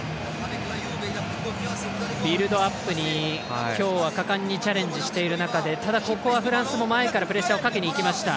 ビルドアップに今日は果敢にチャレンジしている中でただ、ここはフランスも前からプレッシャーをかけにいきました。